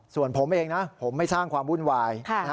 ส่วนผมเองนะผมไม่สร้างความวุ่นวาย